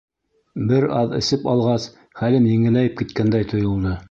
Бер аҙ эсеп алғас, хәлем еңеләйеп киткәндәй тойолдо.